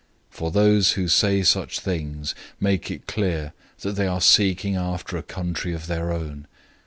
011:014 For those who say such things make it clear that they are seeking a country of their own.